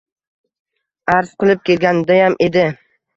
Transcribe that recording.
Arz qilib kelganidayam edi.